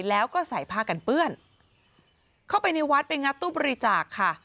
แล้วก็ใส่ผ้ากันเปื้อนเข้าไปในวัดไปงัดตู้บริจาคค่ะ